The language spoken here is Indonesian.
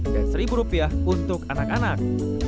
dan rp satu untuk anak anak